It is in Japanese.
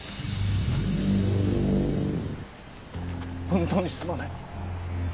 本当にすまない。